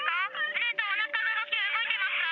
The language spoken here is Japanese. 胸とおなかの動きは動いてますか？